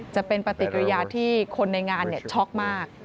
จะเป็นปฏิกิริยาที่คนในงานช็อกมาก